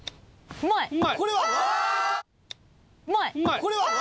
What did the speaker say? これは？あ！